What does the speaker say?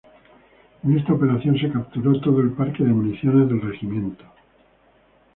En esta operación se capturó todo el parque de municiones del regimiento.